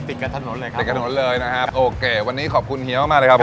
ติดกับถนนเลยครับเลยนะครับโอเควันนี้ขอบคุณเหี้ยวมาเลยครับผม